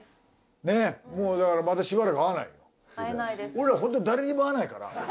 俺らホントに誰にも会わないから。